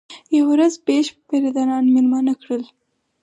یوه ورځ بیشپ پیره داران مېلمانه کړل.